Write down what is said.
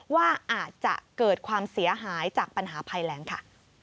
ว่าอาจจะเกิดความเสียหายจากปัญหาภัยแรงค่ะ